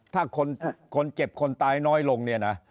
ถ้าคนเจ็บคนตายน้อยลงเนี่ยนะ